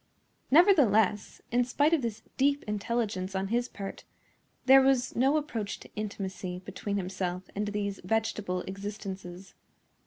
Nevertheless, in spite of this deep intelligence on his part, there was no approach to intimacy between himself and these vegetable existences.